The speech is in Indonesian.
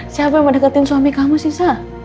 siapa yang mau deketin suami kamu sih sa